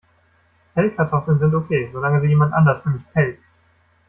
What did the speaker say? Pellkartoffeln sind okay, solange sie jemand anders für mich pellt.